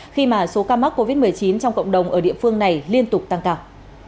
khi mà số ca mắc covid một mươi chín trong cộng đồng ở địa phương này liên tục tăng cao